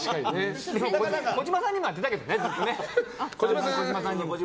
児嶋さんにもやってたけどねずっと。